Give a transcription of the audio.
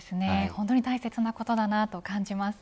本当に大切なことだと思います。